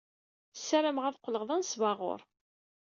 Ssarameɣ ad qqleɣ d anesbaɣur.